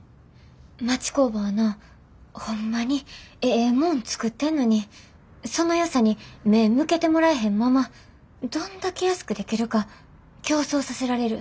町工場はなホンマにええもん作ってんのにそのよさに目ぇ向けてもらえへんままどんだけ安くできるか競争させられる。